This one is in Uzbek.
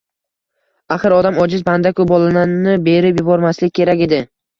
Axir odam ojiz banda-ku… “Bolani berib yubormaslik kerak edi…